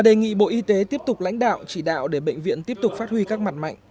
đề nghị bộ y tế tiếp tục lãnh đạo chỉ đạo để bệnh viện tiếp tục phát huy các mặt mạnh